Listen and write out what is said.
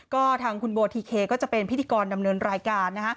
ก็ทางคุณโบทีเคก็จะเป็นพิธีกรดำเนินรายการนะฮะ